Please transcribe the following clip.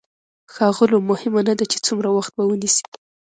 ښاغلو مهمه نه ده چې څومره وخت به ونيسي.